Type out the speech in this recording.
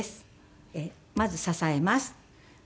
まず支えます。